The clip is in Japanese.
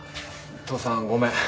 父さんごめん。